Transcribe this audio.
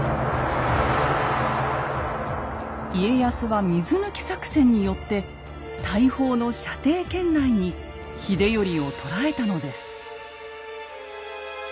家康は水抜き作戦によって大砲の射程圏内に秀頼を捉えたのです。